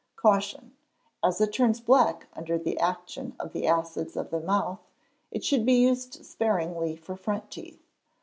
Caution. As it turns black under the action of the acids of the mouth, it should be used sparingly for front teeth.